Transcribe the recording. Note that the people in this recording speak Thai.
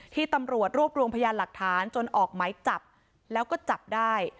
ที่ตำรวจรวบรวมพยานหลักฐานจนออกหมายจับแล้วก็จับได้